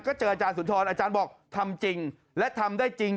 ก็เจออาจารย์สุนทรอาจารย์บอกทำจริงและทำได้จริง